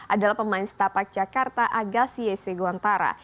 adalah pemain setapak jakarta agassi yesegontara